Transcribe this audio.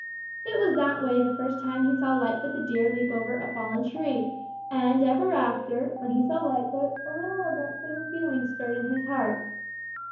It was that way the first time he saw Lightfoot the Deer leap over a fallen tree, and ever after, when he saw Lightfoot, a little of that same feeling stirred in his heart.